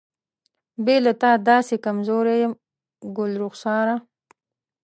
بې له تا داسې کمزوری یم ګلرخساره.